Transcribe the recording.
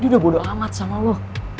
dia udah bodo amat sama lo